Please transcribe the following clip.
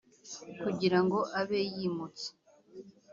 kugira ngo abe yimutse